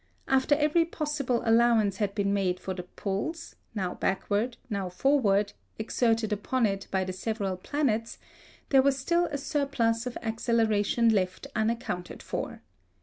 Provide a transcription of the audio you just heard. After every possible allowance had been made for the pulls, now backward, now forward, exerted upon it by the several planets, there was still a surplus of acceleration left unaccounted for.